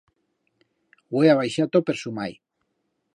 Hue ha baixato per su mai.